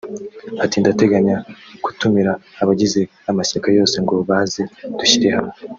ati “Ndateganya gutumira abagize amashyaka yose ngo baze dushyire hamwe